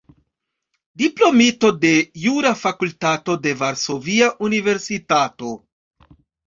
Diplomito de Jura Fakultato de Varsovia Universitato.